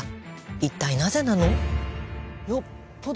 一体なぜなの？